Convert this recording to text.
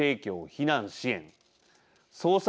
・避難支援捜索